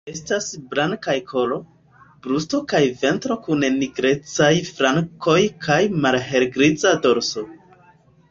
Estas blankaj kolo, brusto kaj ventro kun nigrecaj flankoj kaj malhelgriza dorso.